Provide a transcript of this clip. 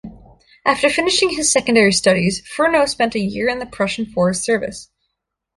After finishing his secondary studies, Fernow spent a year in the Prussian forest service.